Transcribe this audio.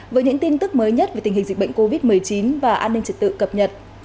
với những tin tức mới nhất về tình hình dịch bệnh covid một mươi chín và an ninh trật tự cập nhật